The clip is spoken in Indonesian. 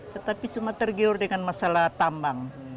tetapi cuma tergiur dengan masalah tambang